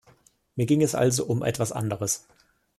Mir ging es also um etwas anderes.